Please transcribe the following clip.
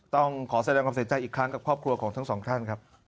ต้องขอแสดงความเสียใจอีกครั้งกับครอบครัวของทั้งสองท่านครับ